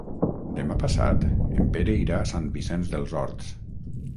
Demà passat en Pere irà a Sant Vicenç dels Horts.